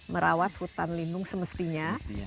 merawat hutan lindung semestinya